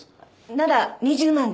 なら２０万で。